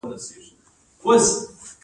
ایا زه باید ماشوم ته بسکټ ورکړم؟